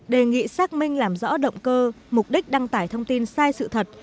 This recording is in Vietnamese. đề nghị xác minh làm rõ động cơ mục đích đăng tải thông tin sai sự thật